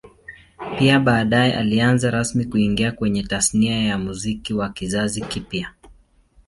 Pia baadae alianza rasmi kuingia kwenye Tasnia ya Muziki wa kizazi kipya